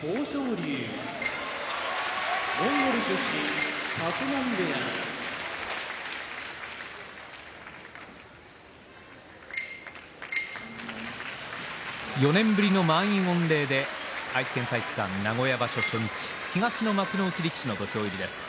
龍モンゴル出身立浪部屋４年ぶりの満員御礼で愛知県体育館名古屋場所初日東の幕内力士の土俵入りです。